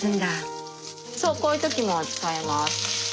そうこういう時も使えます。